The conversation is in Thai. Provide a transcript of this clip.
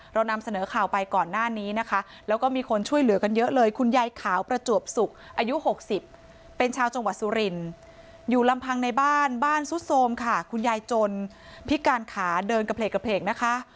เรานำเสนอข่าวไปก่อนหน้านี้นะคะแล้วก็มีคนช่วยเหลือกันเยอะเลยคุณยายขาวประจวบสุกอายุ๖๐เป็นชาวจังหวัดสุรินอยู่ลำพังในบ้านบ้านซุดโทรมค่ะคุณยายจนพิการขาเดินกระเพลกนะคะ